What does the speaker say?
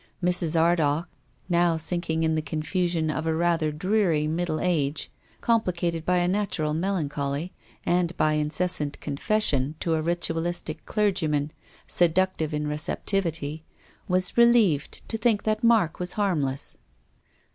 Mrs. Ardagh, now sinking in the confusion of a rather dreary middle age, compli cated by a natural melancholy, and by incessant confession to a ritualistic clergyman seductive in receptivity, was relieved to think that Mark was harmless.